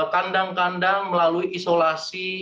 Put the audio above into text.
kandang kandang melalui isolasi